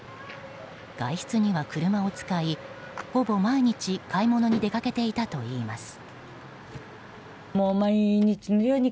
外出には車を使い、ほぼ毎日買い物に出かけていたといいます。